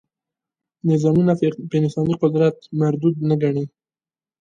نظامونه په انساني قیمت مردود نه ګڼي.